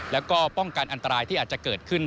แล้วก็ป้องกันอันตรายที่อาจจะเกิดขึ้น